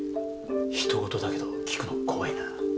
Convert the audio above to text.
人ごとだけど聞くの怖いな。